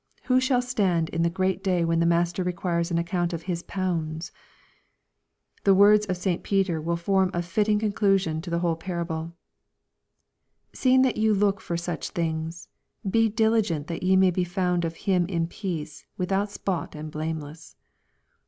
Who shall stand in the great day when the Master requires an account of ^'His pounds ?" The words of St. Peter will form a fitting conclusion to the whole parable, " Seeing that ye look for such things, be diligent that ye may be found of Hini in peace, without spot, and blameless."